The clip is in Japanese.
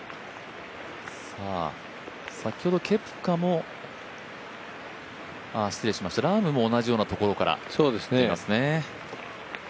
先ほどラームも同じようなところから振っています。